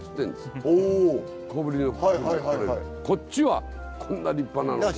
こっちはこんな立派なの。